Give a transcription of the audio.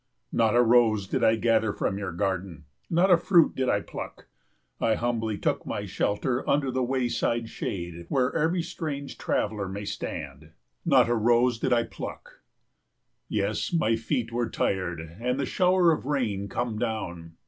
Not a rose did I gather from your garden, not a fruit did I pluck. I humbly took my shelter under the wayside shade where every strange traveller may stand. Not a rose did I pluck. Yes, my feet were tired, and the shower of rain come down.